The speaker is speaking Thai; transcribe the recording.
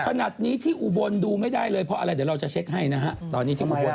ขนาดนี้ที่อุวบวลดูไม่ได้เลยเพราะอะไรเดี๋ยวเราจะเช็คให้นะฮะ